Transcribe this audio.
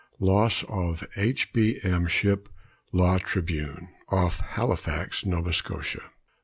LOSS OF H. B. M. SHIP LA TRIBUNE, OFF HALIFAX, NOVA SCOTIA.